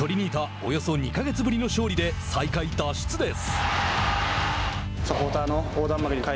およそ２か月ぶりの勝利で最下位脱出です。